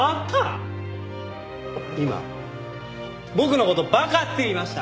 今僕の事馬鹿って言いました！？